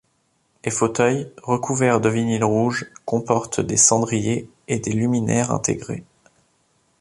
Les fauteuils, recouverts de vinyle rouge, comportent des cendriers et des luminaires intégrés.